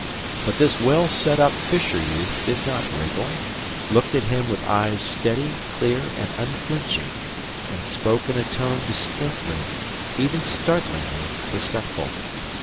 But this well set up fisher youth did not wriggle, looked at him with eyes steady, clear, and unflinching, and spoke in a tone distinctly, even startlingly, respectful.